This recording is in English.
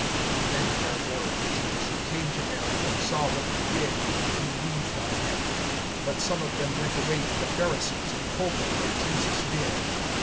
(45)Many therefore of the Jews who came to Mary, and saw what he did, believed on him. (46)But some of them went away to the Pharisees, and told them what Jesus did.